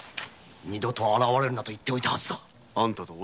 二度と現れるなと言っておいたはずた。